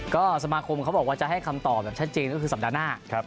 ก็สมาคมเขาบอกว่าจะให้คำตอบแบบชัดเจนก็คือสัปดาห์หน้า